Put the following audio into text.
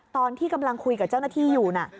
ตอนที่กำลังคุยกับเจ้าหน้าที่อยู่นะ